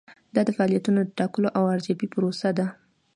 دا د فعالیتونو د ټاکلو او ارزیابۍ پروسه ده.